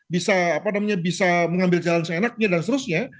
bisa apa namanya bisa mengambil jalan seenaknya dan seterusnya